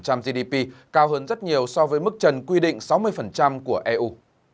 cơ bản gdp cao hơn rất nhiều so với mức trần quy định sáu mươi của eu